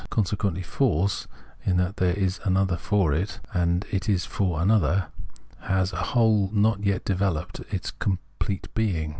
Consequently force, in that there is an other for it, and it is for an other, has as a whole not yet developed its complete meaning.